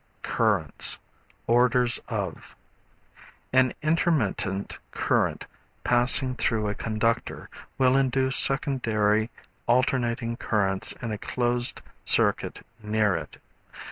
Currents, Orders of. An intermittent current passing through a conductor will induce secondary alternating currents in a closed circuit near it.